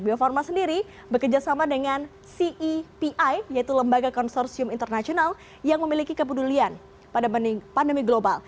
bio farma sendiri bekerjasama dengan cepi yaitu lembaga konsorsium internasional yang memiliki kepedulian pada pandemi global